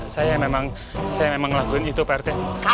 saya memang saya memang ngelakuin itu pak rt